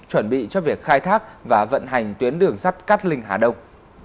chuẩn bị cho việc khai thác và vận hành tuyến đường sắt cát linh hà đông